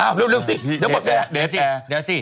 อ้าวเริ่มสิเดี๋ยวหมดแก่แหละ